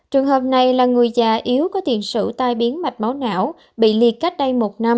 trường hợp này là người già yếu có tiền sử tai biến mạch máu não bị liệt cách đây một năm